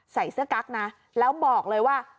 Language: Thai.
ใส่เสื้อกั๊กนะแล้วบอกเลยว่า